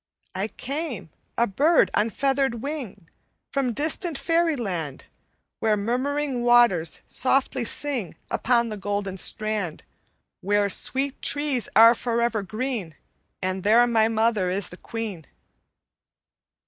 "'I came, a bird on feathered wing, From distant Faeryland Where murmuring waters softly sing Upon the golden strand, Where sweet trees are forever green; And there my mother is the queen.'